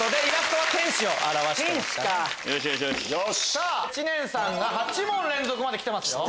さぁ知念さんが８問連続まできてますよ。